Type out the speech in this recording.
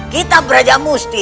kita berajak musti